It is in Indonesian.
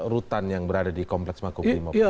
rutan yang berada di kompleks makubrimob